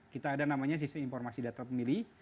kita ada namanya sistem informasi data pemilih